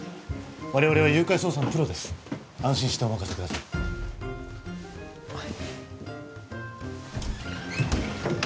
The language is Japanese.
我々は誘拐捜査のプロです安心してお任せくださいはい